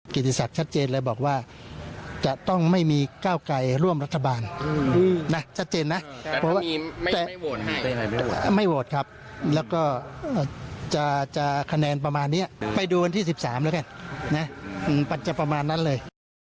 ปัจจัยประมาณนั้นเลย